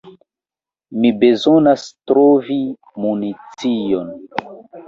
Mi bezonas trovi municion.